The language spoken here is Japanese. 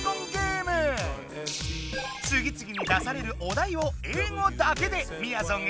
次々に出されるお題を英語だけでみやぞん